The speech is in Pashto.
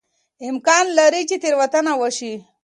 امکان لري چې تېروتنه وشي.